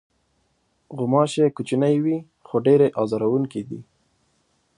غوماشې کوچنۍ وي، خو ډېرې آزاروونکې دي.